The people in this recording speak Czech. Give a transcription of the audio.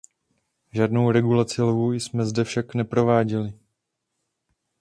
Žádnou regulaci lovu jsme zde však neprováděli.